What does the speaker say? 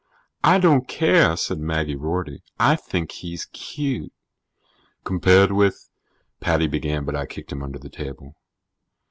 "I don't care," said Maggie Rorty. "I think he's cute." "Compared with " Paddy began, but I kicked him under the table.